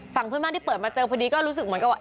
เพื่อนบ้านที่เปิดมาเจอพอดีก็รู้สึกเหมือนกับว่า